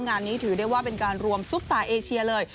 งานนี้ถือได้ว่าเป็นการรวมซุปตาเอเชียเลย